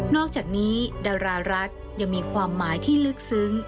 อกจากนี้ดารารัฐยังมีความหมายที่ลึกซึ้ง